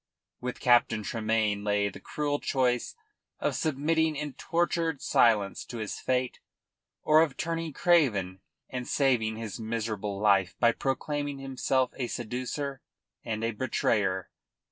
With Captain Tremayne lay the cruel choice of submitting in tortured silence to his fate, or of turning craven and saving his miserable life by proclaiming himself a seducer and a betrayer.